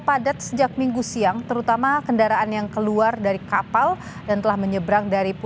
polisi memprediksi ada lebih dari seratus ribu kendaraan melintasi jalur selatan jawa ini